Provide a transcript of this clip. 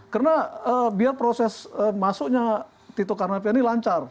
karena biar proses masuknya tito karnapian ini lancar